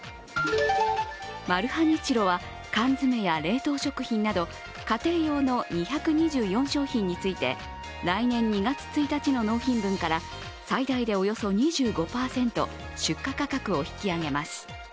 マルハニチロは缶詰や冷凍食品など家庭用の２２４商品について来年２月１日の納品分から最大でおよそ２５％、出荷価格を引き上げます